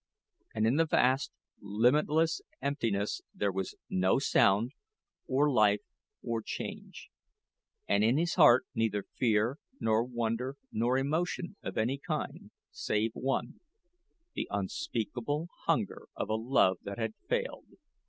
And in the vast, limitless emptiness there was no sound, or life, or change; and in his heart neither fear, nor wonder, nor emotion of any kind, save one the unspeakable hunger of a love that had failed.